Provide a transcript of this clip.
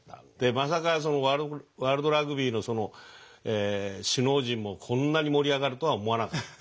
まさかワールドラグビーの首脳陣もこんなに盛り上がるとは思わなかった。